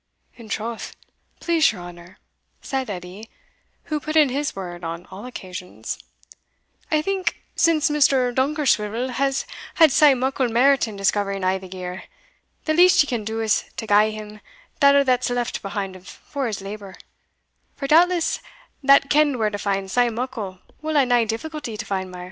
"In troth, please your honour," said Edie, who put in his word on all occasions, "I think, since Mr. Dunkerswivel has had sae muckle merit in discovering a' the gear, the least ye can do is to gie him that o't that's left behind for his labour; for doubtless he that kend where to find sae muckle will hae nae difficulty to find mair."